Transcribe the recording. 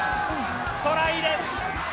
トライです。